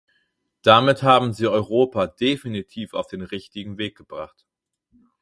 Damit haben sie Europa definitiv auf den richtigen Weg gebracht.